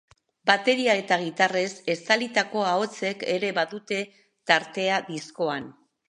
Bateria eta gitarrez estalitako ahotsek ere badute tartea diskoan.